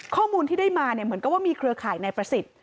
ข้อมูลที่ได้มาเนี่ยเหมือนกับว่ามีเครือข่ายนายประสิทธิ์